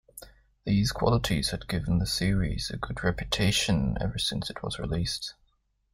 These qualities had given the series a good reputation ever since it was released.